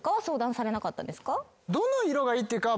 どの色がいいっていうか